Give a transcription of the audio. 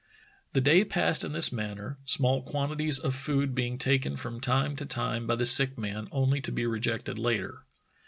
The day passed in this manner, small quantities of food being taken from time to time by the sick man only to be rejected later.